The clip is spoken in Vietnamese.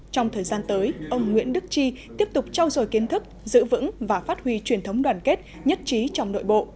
trong thời gian tới ông nguyễn đức chi tiếp tục trao dồi kiến thức giữ vững và phát huy truyền thống đoàn kết nhất trí trong nội bộ